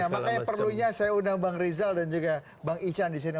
makanya perlunya saya undang bang rizal dan juga bang ican di sini